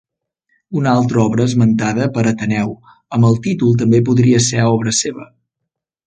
Una altra obra esmentada per Ateneu amb el títol també podria ser obra seva.